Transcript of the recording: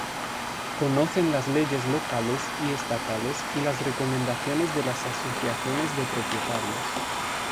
Conocen las leyes locales y estatales y las recomendaciones de las asociaciones de propietarios.